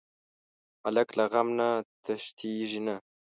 هلک له غم نه تښتېږي نه.